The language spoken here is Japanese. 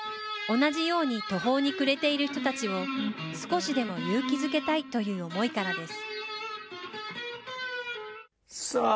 同じように途方に暮れている人たちを、少しでも勇気づけたいという思いからです。